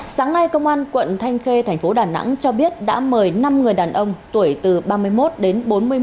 sáng nay công an quận thanh khê thành phố đà nẵng cho biết đã mời năm người đàn ông tuổi từ ba mươi một đến bốn mươi một